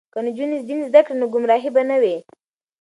که نجونې دین زده کړي نو ګمراهي به نه وي.